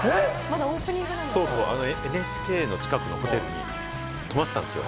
ＮＨＫの近くのホテルに泊まってたんですよ。